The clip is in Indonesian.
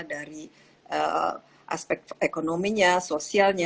dari aspek ekonominya sosialnya